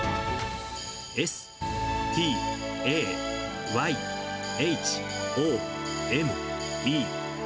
Ｓ、Ｔ、Ａ、Ｙ、Ｈ、Ｏ、Ｍ、Ｅ。